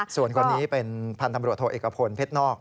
ส่วนคนนี้เป็นพันธุ์ตำรวจโทเอกพลเพชรนอก